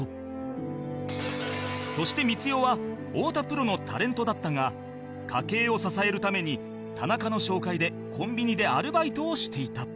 そして光代は太田プロのタレントだったが家計を支えるために田中の紹介でコンビニでアルバイトをしていた